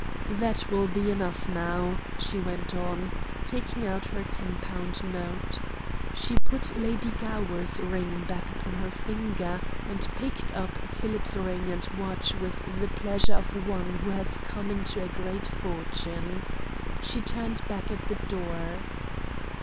"That will be enough now," she went on, taking out her ten pound note. She put Lady Gower's ring back upon her finger and picked up Philip's ring and watch with the pleasure of one who has come into a great fortune. She turned back at the door.